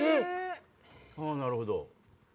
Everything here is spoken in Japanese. あぁなるほど。